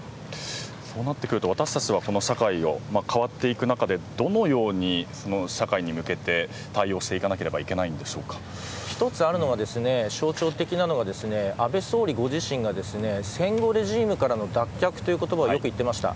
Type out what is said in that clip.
そうなってくると私たちはこの社会が変わっていく中でどのように社会に向けて対応していかなければ一つあるのは、象徴的なのが安倍総理ご自身が戦後レジームからの脱却という言葉をよく言っていました。